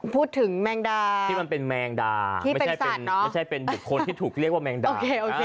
พูดถึงแมงดาที่เป็นแมงดาไม่ใช่เป็นคนที่ถูกเรียกว่าแมงดา